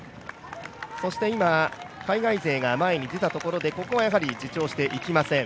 そして今、海外勢が前に出たところでここはやはり自重して行きません。